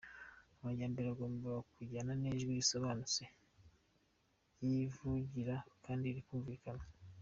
Amajyambere agomba kujyana n’ijwi risobanutse ryivugira kandi rikumvikana.